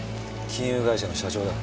金融会社の社長だ。